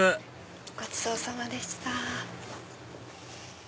ごちそうさまでした。